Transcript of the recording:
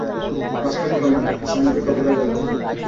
বাস্তবতা নয়, একে সমঝোতা বলে রে ভাই!